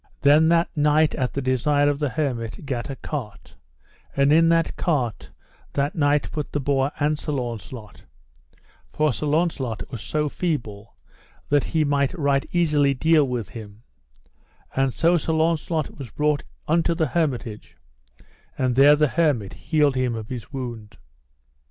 Then that knight at the desire of the hermit gat a cart, and in that cart that knight put the boar and Sir Launcelot, for Sir Launcelot was so feeble that they might right easily deal with him; and so Sir Launcelot was brought unto the hermitage, and there the hermit healed him of his wound.